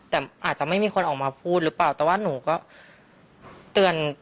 แต่อาจจะไม่มีคนออกมาพูดหรือเปล่าแต่ว่าหนูก็เตือน